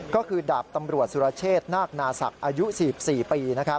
ก็คือดาบตำรวจสุรเชษนาคนาศักดิ์อายุ๔๔ปี